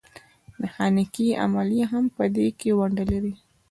میخانیکي عملیې هم په دې کې ونډه لري.